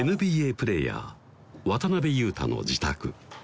ＮＢＡプレーヤー渡邊雄太の自宅